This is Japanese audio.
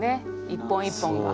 一本一本が。